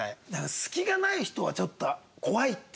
隙がない人はちょっと怖いっていうのって